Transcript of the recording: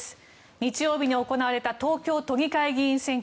日曜日に行われた東京都議会議員選挙。